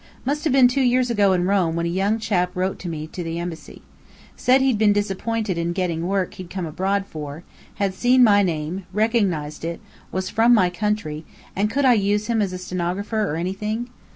Must have been two years ago in Rome when a young chap wrote to me to the Embassy. Said he'd been disappointed in getting work he'd come abroad for, had seen my name, recognized it, was from my county; and could I use him as a stenographer or anything?